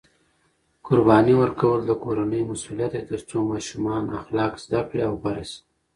قرباني ورکول د کورنۍ مسؤلیت دی ترڅو ماشومان اخلاق زده کړي او غوره شي.